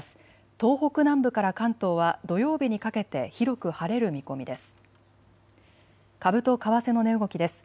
東北南部から関東は土曜日にかけて広く晴れる見込みです。